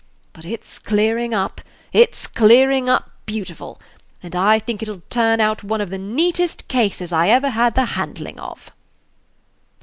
But it's clearing up it's clearing up beautiful; and I think it'll turn out one of the neatest cases I ever had the handling of."